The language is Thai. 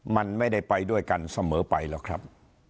มันไม่ได้ไปด้วยกันเสมอไปหรอกครับ